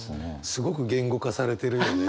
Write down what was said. すごく言語化されてるよね。